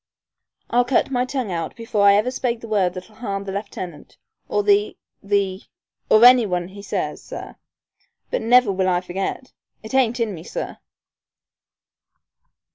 "I'll cut my tongue out before I ever spake the word that'll harm the lieutenant, or the the or any one he says, sir. But never will I forget! It ain't in me, sir."